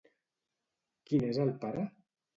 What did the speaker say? Qui n'és el pare?